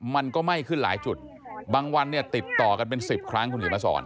มันก็ไหม้ขึ้นหลายจุดบางวันเนี่ยติดต่อกันเป็น๑๐ครั้งคุณเขียนมาสอน